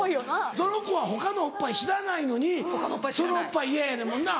その子は他のおっぱい知らないのにそのおっぱいイヤやねんもんな。